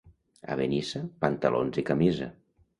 A Benissa, pantalons i camisa.